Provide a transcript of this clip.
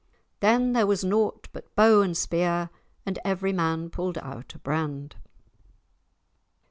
"Then there was naught but bow and spear, And every man pulled out a brand."